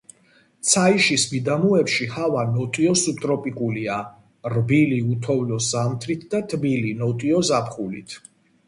ცაიშის მიდამოებში ჰავა ნოტიო სუბტროპიკულია, რბილი, უთოვლო ზამთრით და თბილი, ნოტიო ზაფხულით.